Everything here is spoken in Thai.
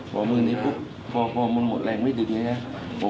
พอมือนี้ปุ๊บพอมันหมดแรงไม่ดึกเลยนะ